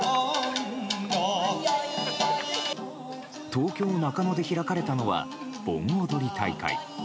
東京・中野で開かれたのは盆踊り大会。